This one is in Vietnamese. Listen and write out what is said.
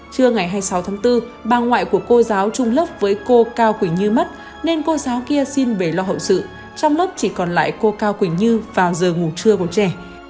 trưa ngày hai mươi sáu tháng bốn bà ngoại của cô giáo trung lớp với cô cao quỳnh như mất nên cô giáo kia xin bể lo hậu sự trong lớp chỉ còn lại cô cao quỳnh như vào giờ ngủ trưa của trẻ